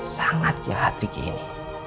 sangat jahat riki ini